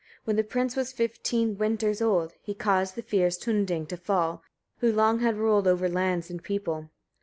When the prince was fifteen winters old, he caused the fierce Hunding to fall, who long had ruled over lands and people.